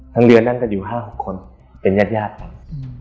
ทั้งเรือนั่งแต่อยู่๕๖คนเป็นญาติญาติกัน